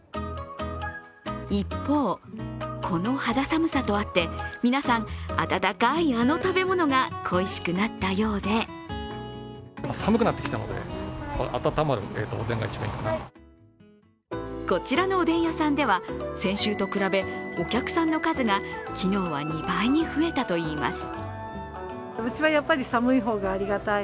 一方、この肌寒さとあって、皆さん、温かいあの食べ物が恋しくなったようでこちらのおでん屋さんでは、先週と比べ、お客さんの数が昨日は２倍に増えたといいます。